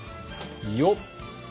よっ。